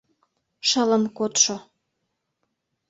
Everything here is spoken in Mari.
Шылын кодшо.